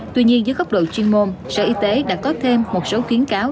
tuy nhiên dưới góc độ chuyên môn sở y tế đã có thêm một số kiến cáo